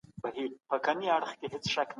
هر چا خپل سیاسي لوری پخپله خوښه ټاکلی سو.